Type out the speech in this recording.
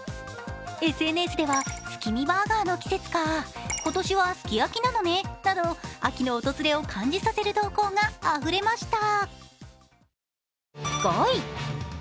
ＳＮＳでは、月見バーガーの季節か今年はすき焼きなのねなど秋の訪れを感じさせる投稿があふれました。